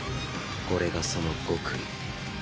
これがその極意。